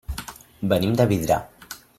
Venim de Vidrà.